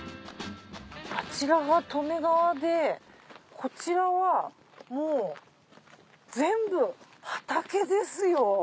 あちらが利根川でこちらはもう全部畑ですよ。